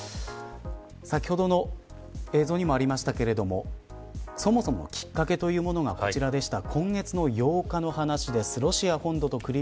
先ほどの映像にもありましたけれどもそもそものきっかけというものがこちらでした。